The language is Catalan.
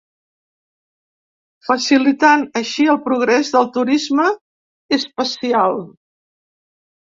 Facilitant, així, el progrés del turisme espacial.